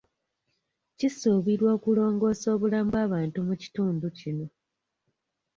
Kisuubirwa okulongosa obulamu bw'abantu mu kitundu kino.